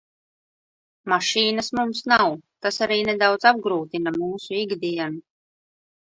Mašīnas mums nav, tas arī nedaudz apgrūtina mūsu ikdienu.